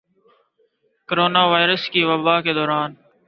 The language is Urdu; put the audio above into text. کورونا وائرس کی وبا کے دوران